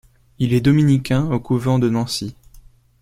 Il est dominicain au couvent de Nancy.